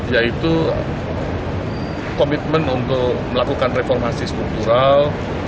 yaitu komitmen untuk melakukan reformasi struktural